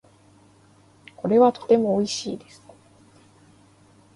これはとても美味しいです。